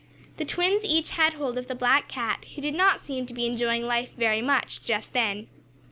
The twins each had hold of the black cat, who did not seem to be enjoying life very much just then.